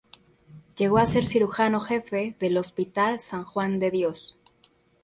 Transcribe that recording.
Llegó a ser Cirujano Jefe del Hospital San Juan de Dios.